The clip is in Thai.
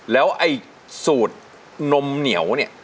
แล้วไอ้สูตรนมเหนียวเนี่ย